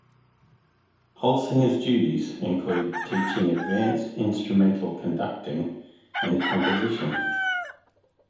Holsinger's duties include teaching advanced instrumental conducting and composition.